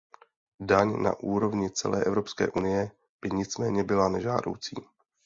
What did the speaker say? Daň na úrovni celé Evropské unie by nicméně byla nežádoucí.